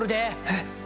えっ。